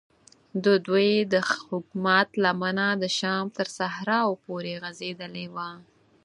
ددوی د حکومت لمنه د شام تر صحراو پورې غځېدلې وه.